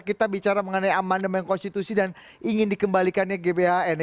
kita bicara mengenai amandemen konstitusi dan ingin dikembalikannya gbhn